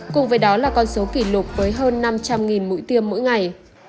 cùng với đó là con số kỷ lục với hơn năm trăm linh mũi tiêm mỗi ngày